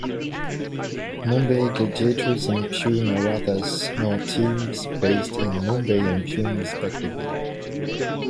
Mumbai Gladiators and Pune Marathas are teams based in Mumbai and Pune respectively.